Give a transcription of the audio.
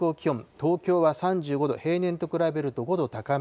東京は３５度、平年と比べると５度高め。